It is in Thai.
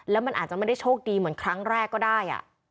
แล้วมันอาจจะไม่ได้โชคดีเหมือนครั้งแรกก็ได้